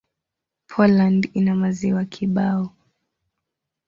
Poland ina maziwa kibao.